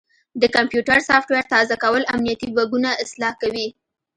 د کمپیوټر سافټویر تازه کول امنیتي بګونه اصلاح کوي.